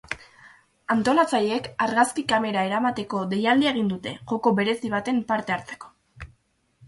Antolatzaileek argazki kamera eramateko deialdia egin dute, joko berezi batean parte hartzeko.